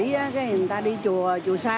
người ta đi chùa chùa xa